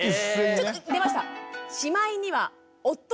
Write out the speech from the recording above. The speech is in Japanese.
ちょっと出ました！